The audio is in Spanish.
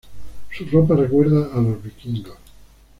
Su ropa recuerda a los Vikingos.